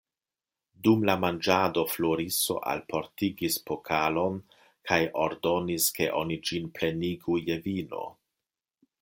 Dum la manĝado Floriso alportigis pokalon kaj ordonis, ke oni ĝin plenigu je vino.